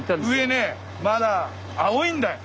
上ねまだ青いんだ。